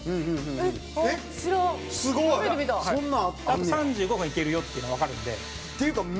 あと３５分いけるよっていうのがわかるので。